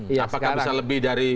apakah bisa lebih dari